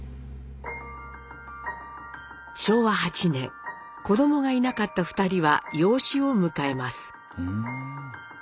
昭和８年子どもがいなかった二人は養子を迎えます。